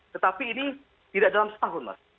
tetapi ini tidak dalam setahun mas